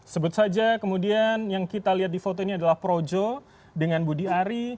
sebut saja kemudian yang kita lihat di foto ini adalah projo dengan budi ari